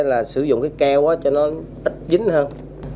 là sử dụng keo cho nó ít dính hơn